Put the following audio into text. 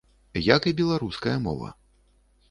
Як і беларуская мова.